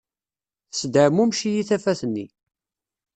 Tesdeɛmumec-iyi tafat-nni